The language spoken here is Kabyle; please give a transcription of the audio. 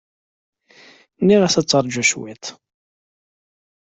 Nniɣ-as ad teṛju cwiṭ.